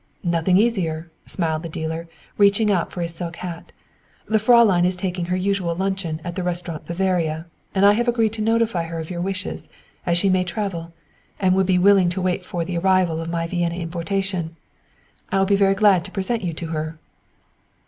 "Nothing easier," smiled the dealer, reaching out for his silk hat. "The Fräulein is taking her usual luncheon at the Restaurant Bavaria, and I agreed to notify her of your wishes, as she may travel, and would be willing to wait for the arrival of my Vienna importation. I will be very glad to present you to her."